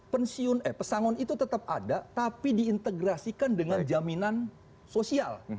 pensiun eh pesangon itu tetap ada tapi diintegrasikan dengan jaminan sosial